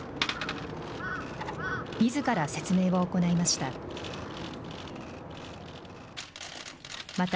みずから説明を行いました。